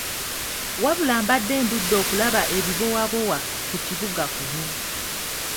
Wabula mbadde ndudde okulaba ebibowabowa ku kibuga kuno.